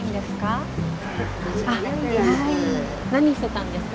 何してたんですか？